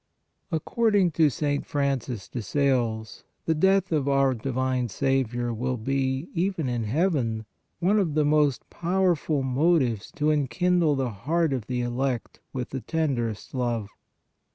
According to St. Francis de Sales, the death of our Divine Saviour will be, even in heaven, one of the most powerful motives to enkindle the heart of the elect with the tenderest love.